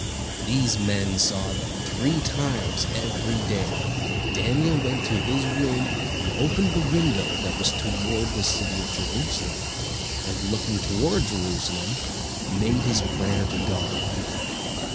These men saw that three times every day Daniel went to his room and opened the window that was toward the city of Jerusalem, and looking toward Jerusalem, made his prayer to God.